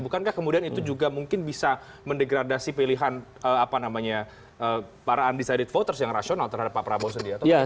bukankah kemudian itu juga mungkin bisa mendegradasi pilihan para undecided voters yang rasional terhadap pak prabowo sendiri